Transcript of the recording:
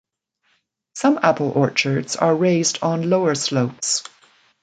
Some apple orchards are raised on lower slopes.